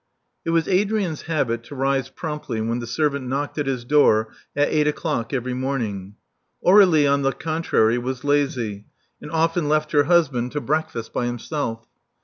It was Adrian's habit to rise promptly when the servant knocked at his door at eight o'clock every morning. Aur^lie, on the contrary, was lazy, and often left her husband to breakfast by himself.